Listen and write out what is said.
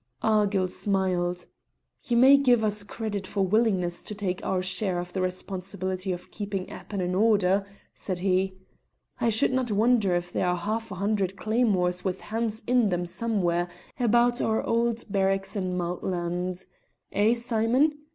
Argyll smiled. "You may give us credit for willingness to take our share of the responsibility of keeping Appin in order," said he. "I should not wonder if there are half a hundred claymores with hands in them somewhere about our old barracks in Maltland. Eh! Simon?"